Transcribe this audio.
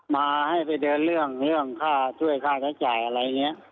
มาให้ไปเดินเรื่องเรื่องค่าช่วยค่าใช้จ่ายอะไรอย่างนี้